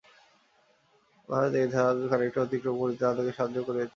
ভারত এই ধাপ খানিকটা অতিক্রম করিতে তাহাদিগকে সাহায্য করিয়াছিল।